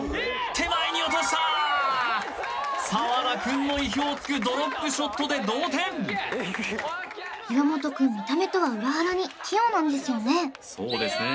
澤田くんの意表をつくドロップショットで同点岩本くん見た目とは裏腹に器用なんですよね